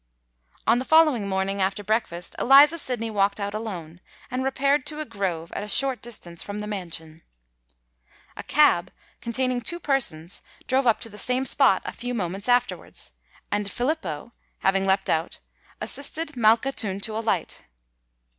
On the following morning, after breakfast, Eliza Sydney walked out alone, and repaired to a grove at a short distance from the mansion. A cab, containing two persons, drove up to the same spot a few moments afterwards; and Filippo, having leapt out, assisted Malkhatoun to alight.